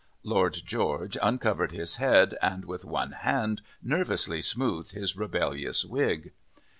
Lord George uncovered his head and with one hand nervously smoothed his rebellious wig.